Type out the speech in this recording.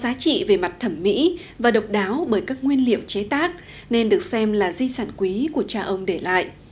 giá trị về mặt thẩm mỹ và độc đáo bởi các nguyên liệu chế tác nên được xem là di sản quý của cha ông để lại